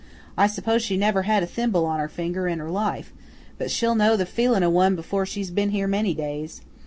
I suppose she never had a thimble on her finger in her life, but she'll know the feelin' o' one before she's ben here many days.